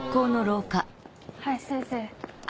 林先生